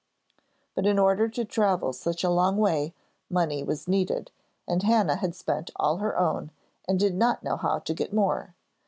But in order to travel such a long way, money was needed, and Hannah had spent all her own and did not know how to get more.